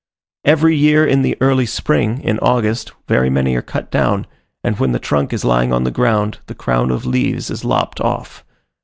Every year in the early spring, in August, very many are cut down, and when the trunk is lying on the ground, the crown of leaves is lopped off.